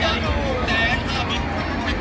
มาแล้วครับพี่น้อง